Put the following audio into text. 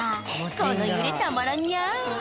この揺れ、たまらにゃーい。